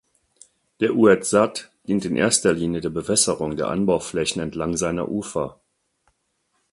Der Oued Zat dient in erster Linie der Bewässerung der Anbauflächen entlang seiner Ufer.